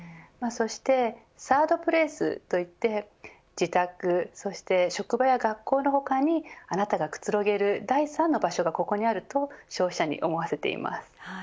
そしてサードプレイスといって自宅そして職場や学校の他にあなたがくつろげる第三の場所がここにあると消費者に思わせています。